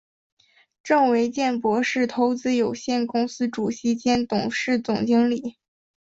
郑维健博士投资有限公司主席兼董事总经理。